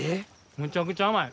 むちゃくちゃ甘い！